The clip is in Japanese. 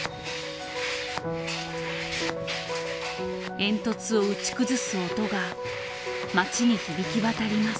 煙突を打ち崩す音が町に響き渡ります。